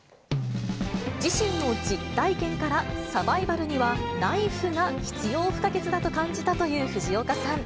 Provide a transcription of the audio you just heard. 自身の実体験から、サバイバルにはナイフが必要不可欠だと感じたという藤岡さん。